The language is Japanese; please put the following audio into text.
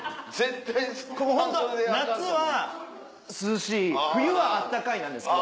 ここホントは夏は涼しい冬は暖かいなんですけど。